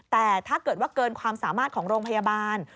แต่ถ้าเกิดว่าเกินความสามารถของโรงพยาบาล